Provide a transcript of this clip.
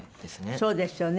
そうですよね。